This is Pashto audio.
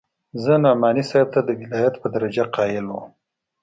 زه نعماني صاحب ته د ولايت په درجه قايل وم.